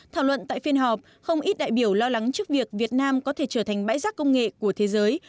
thảo luận tại phiên họp không ít đại biểu lo lắng trước việc việt nam có thể trở thành bãi rác công nghệ của thế giới